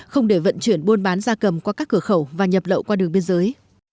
không để vận chuyển buôn bán gia cầm qua các cửa khẩu và nhập lậu qua đường biên giới